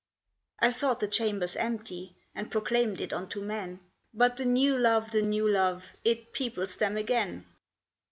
I thought the chambers empty, And proclaimed it unto men; But the new love, the new love, It peoples them again.